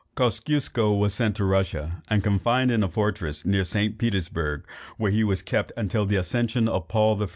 Kosciusko was sent to Russia, and confined in a fortress near St. Petersburgh, where he was kept till the accession of Paul I.